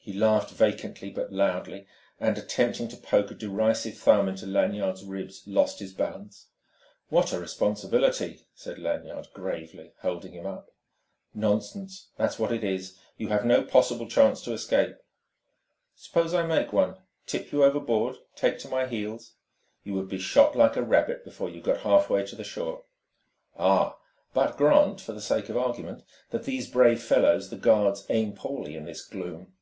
He laughed vacantly but loudly, and, attempting to poke a derisive thumb into Lanyard's ribs, lost his balance. "What a responsibility!" said Lanyard gravely, holding him up. "Nonsense, that's what it is. You have no possible chance to escape." "Suppose I make one tip you overboard, take to my heels ?" "You would be shot like a rabbit before you got half way to the shore." "Ah, but grant, for the sake of argument, that these brave fellows, the guards, aim poorly in this gloom?"